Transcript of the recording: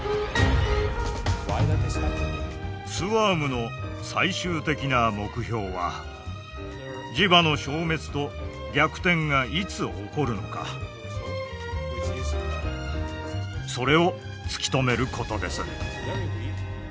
ＳＷＡＲＭの最終的な目標は磁場の消滅と逆転がいつ起こるのかそれを突き止めることです。